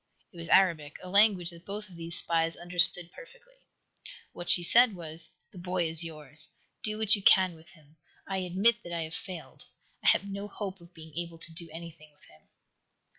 It was Arabic, a language that both of these spies understood perfectly. What she said was: "The boy is yours. Do what you can with him. I admit that I have failed. I have no hope of being able to do anything with him."